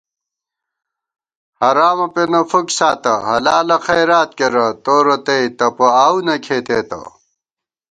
حرامہ پېنہ فُک ساتہ حلالہ خَیرات کېرہ تو رتئ تپو آؤ نہ کھېتېتہ